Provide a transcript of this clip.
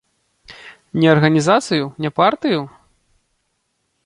Не арганізацыю, не партыю?